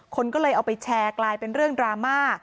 คนก็เลยเอาไปแชร์กลายเป็นเรื่องดราม่า